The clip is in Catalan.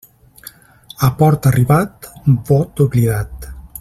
A port arribat, vot oblidat.